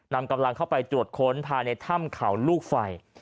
นำกำลังเข้าไปตรวจค้นภายในถ้ำเขาลูกไฟ